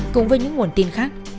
cùng với những nguồn tin khác